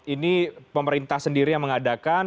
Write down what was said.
ini pemerintah sendiri yang mengadakan